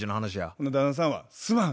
ほな旦那さんは「すまん。